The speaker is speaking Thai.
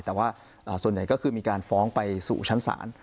แต่ว่าส่วนใหญ่ก็คือมีการฟ้องไปสู่ชั้นศาล